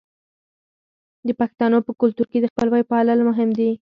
د پښتنو په کلتور کې د خپلوۍ پالل مهم دي.